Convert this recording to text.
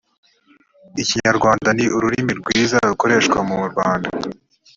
ikinyarwanda ni ururimi rwiza rukoreshwa mu rwanda